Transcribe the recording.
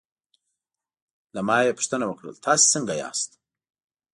له ما یې پوښتنه وکړل: تاسې څنګه یاست؟